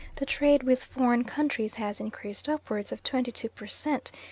the trade with foreign countries has increased upwards of 22 per cent.